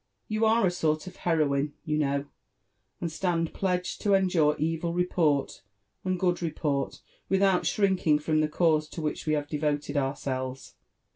You are a sort of heroine, you know, and stand pledged to endure evil report and good report without shrinking from the cause to which we ' have devoted our selves."